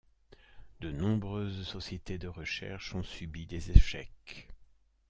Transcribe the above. De nombreuses sociétés de recherche ont subi des échecs.